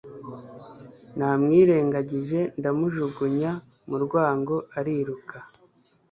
namwirengagije, ndamujugunya mu rwango ariruka